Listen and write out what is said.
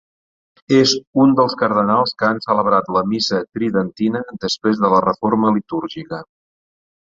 És un dels cardenals que han celebrat la missa tridentina després de la reforma litúrgica.